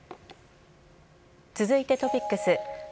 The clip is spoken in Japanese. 続いてトピックス。